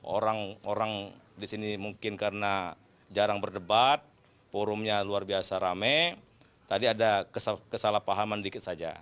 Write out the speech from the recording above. orang orang di sini mungkin karena jarang berdebat forumnya luar biasa rame tadi ada kesalahpahaman dikit saja